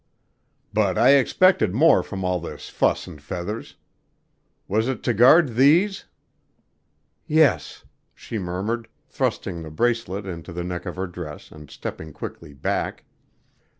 "But I expected more from all this fuss and feathers. Was it to guard these " "Yes," she murmured, thrusting the bracelet into the neck of her dress and stepping quickly back.